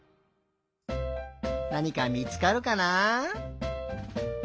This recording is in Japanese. なにかみつかるかな？